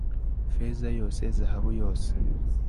feza yose, zahabu yose